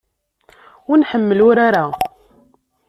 Ur nḥemmel urar-a.